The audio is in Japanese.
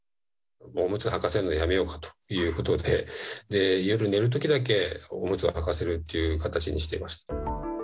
おむつをはかせるのやめようかということで、夜寝るときだけ、おむつをはかせるという形にしていました。